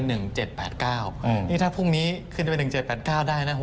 นี่ถ้าพรุ่งนี้ขึ้นจะเป็น๑๗๘๙ได้นะ